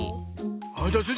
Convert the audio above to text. じゃあスイ